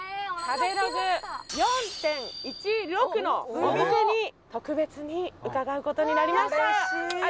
食べログ４．１６のお店に特別に伺うことになりました